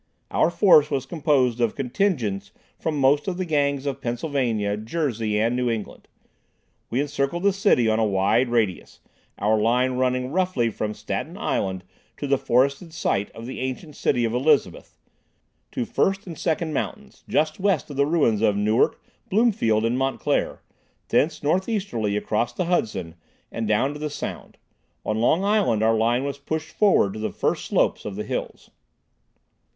Our force was composed of contingents from most of the Gangs of Pennsylvania, Jersey and New England. We encircled the city on a wide radius, our line running roughly from Staten Island to the forested site of the ancient city of Elizabeth, to First and Second Mountains just west of the ruins of Newark, Bloomfield and Montclair, thence northeasterly across the Hudson, and down to the Sound. On Long Island our line was pushed forward to the first slopes of the hills.